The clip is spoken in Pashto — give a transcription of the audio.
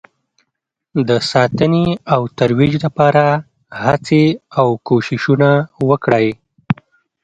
د ساتنې او ترویج لپاره هڅې او کوښښونه وکړئ